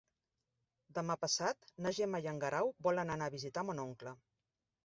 Demà passat na Gemma i en Guerau volen anar a visitar mon oncle.